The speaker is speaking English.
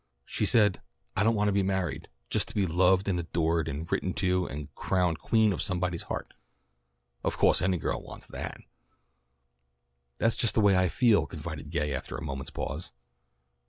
She said, 'I don't want to be married. Just to be loved and adored and written to and crowned Queen of Somebody's heart.' Of co'se any girl wants that." "That's just the way I feel," confided Gay after a moment's pause.